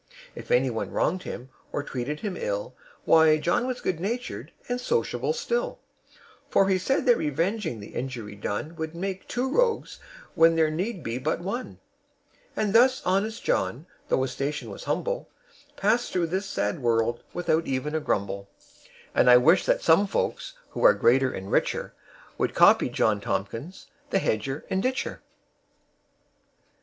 If any one wronged him or treated him ill, Why, John was good natured and sociable still; For he said that revenging the injury done Would be making two rogues when there need be but one, And thus honest John, though his station was humble, Passed through this sad world without even a grumble; And I wish that some folks, who are greater and richer, Would copy John Tomkins, the hedger and ditcher.